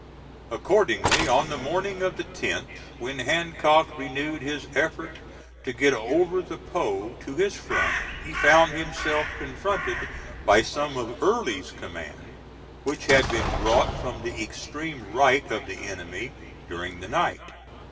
Accordingly on the morning of the 10th, when Hancock renewed his effort to get over the Po to his front, he found himself confronted by some of Early's command, which had been brought from the extreme right of the enemy during the night.